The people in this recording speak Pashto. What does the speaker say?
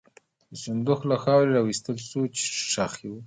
یو صندوق له خاورې را وایستل شو، چې ښخ و.